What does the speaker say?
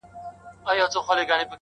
ته مي آیینه یې له غبار سره مي نه لګي!